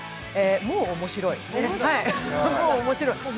もう面白い。